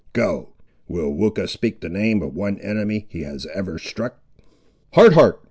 Go! will Weucha speak the name of one enemy he has ever struck?" "Hard Heart!"